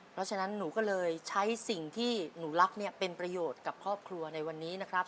เพราะฉะนั้นหนูก็เลยใช้สิ่งที่หนูรักเนี่ยเป็นประโยชน์กับครอบครัวในวันนี้นะครับ